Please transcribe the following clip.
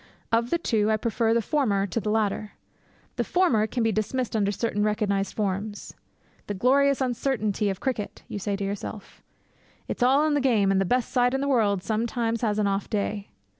Of the two, I prefer the former to the latter. The former can be dismissed under certain recognized forms. 'The glorious uncertainty of cricket!' you say to yourself. 'It's all in the game; and the best side in the world sometimes has an off day!'